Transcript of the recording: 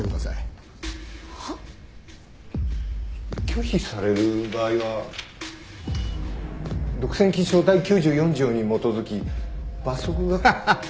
拒否される場合は独占禁止法第９４条に基づき罰則が。